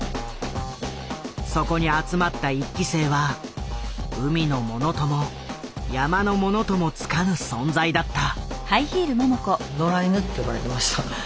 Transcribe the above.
そこに集まった１期生は海のものとも山のものともつかぬ存在だった。